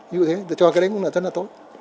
vậy thế cho cái đấy cũng là rất là tốt